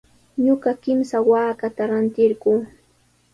Ñuqa kimsa waakata rantirquu.